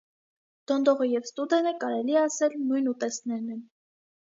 Դոնդողը և ստուդենը կարելի է ասել՝ նույն ուտեստներն են։